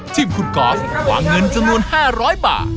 สิฟคู่กรวางเงินจำนวน๕๐๐บาท